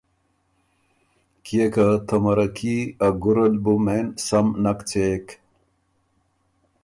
کيې که ته مَرکي ا ګُرل بُو مېن سم نک څېک۔